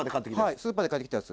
スーパーで買ってきたやつ。